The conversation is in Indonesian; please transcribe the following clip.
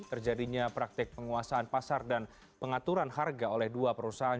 terjadinya praktik penguasaan pasar dan pengaturan harga oleh dua perusahaan